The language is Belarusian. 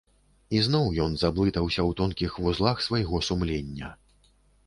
І зноў ён заблытаўся ў тонкіх вузлах свайго сумлення.